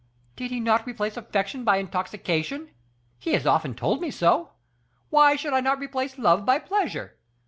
Did he not replace affection by intoxication? He has often told me so. Why should I not replace love by pleasure?